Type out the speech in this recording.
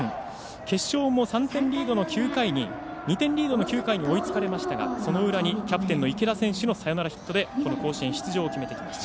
決勝も２点リードの９回に追いつかれましたがその裏にキャプテンの池田選手のサヨナラヒットでこの甲子園出場を決めてきました。